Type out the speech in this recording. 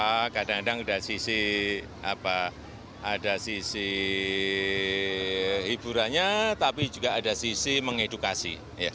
ya kadang kadang ada sisi hiburannya tapi juga ada sisi mengedukasi